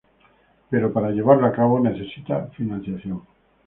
Pero para llevarlo a cabo necesita financiación.